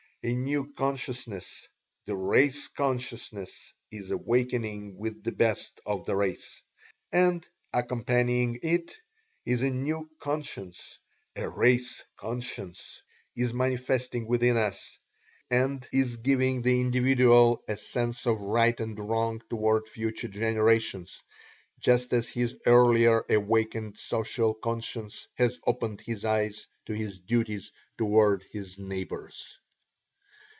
A new consciousness the "race consciousness" is awakening within the best of the race, and accompanying it is a new CONSCIENCE a "race conscience" is manifesting within us, and is giving the individual a sense of right and wrong toward future generations, just as his earlier awakened social conscience has opened his eyes to his duties toward his neighbors.